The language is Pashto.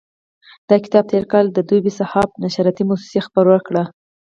دا کتاب تېر کال دوبی صحاف نشراتي موسسې خپور کړ.